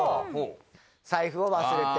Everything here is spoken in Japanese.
「財布を忘れて」